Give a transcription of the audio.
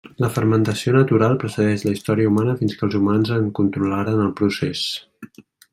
La fermentació natural precedeix la història humana fins que els humans en controlaren el procés.